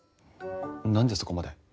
何でそこまで。